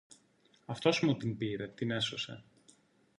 Αυτός μου την πήρε, την έσωσε